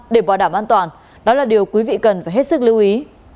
để bảo đảm an toàn đó là điều quý vị cần phải hết sức lưu ý